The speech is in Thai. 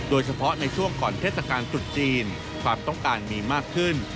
โดยเฉพาะในช่วงก่อนเทศกาลตรุษจีนความต้องการมีมากขึ้น